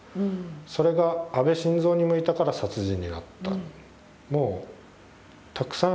それが安倍晋三に向いたから殺人になった。